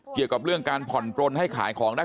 เกี่ยวกับเรื่องการผ่อนปลนให้ขายของได้